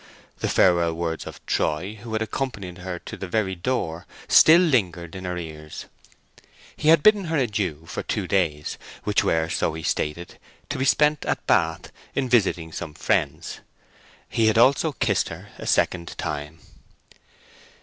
The farewell words of Troy, who had accompanied her to the very door, still lingered in her ears. He had bidden her adieu for two days, which were, so he stated, to be spent at Bath in visiting some friends. He had also kissed her a second time.